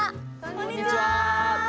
こんにちは！